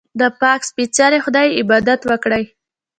د پاک سپېڅلي خدای عبادت وکړئ.